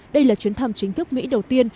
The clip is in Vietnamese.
đây là chuyến thăm chính thức mỹ đầu tiên